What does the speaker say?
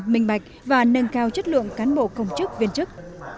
minh bạch và nâng cao chất lượng cán bộ công chức viên chức